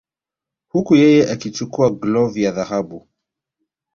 Huku yeye akichukua glov ya dhahabu